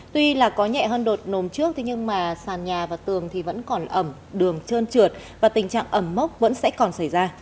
tuy là có nhẹ hơn đột nồm trước nhưng mà sàn nhà và tường thì vẫn còn ẩm đường trơn trượt và tình trạng ẩm mốc vẫn sẽ còn xảy ra